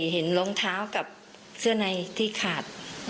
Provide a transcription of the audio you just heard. เห็นรองเท้ากับเสื้อในที่ขาด